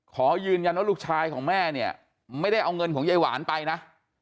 ขอยืนยันว่าลูกชายของแม่เนี่ยไม่ได้เอาเงินของยายหวานไปนะ